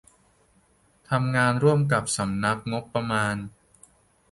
ทำงานร่วมกับสำนักงบประมาณ